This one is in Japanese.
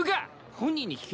本人に聞け。